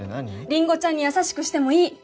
りんごちゃんに優しくしてもいいえっ？